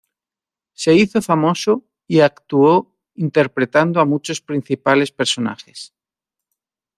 Se hizo famoso y actuó interpretando a muchos principales personajes.